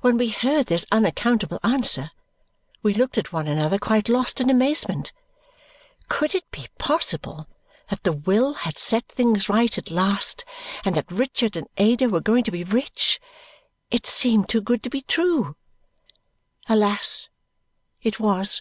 When we heard this unaccountable answer, we looked at one another quite lost in amazement. Could it be possible that the will had set things right at last and that Richard and Ada were going to be rich? It seemed too good to be true. Alas it was!